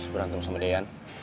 berantem sama deyan